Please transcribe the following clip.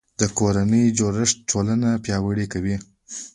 د کورنۍ جوړښت ټولنه پیاوړې کوي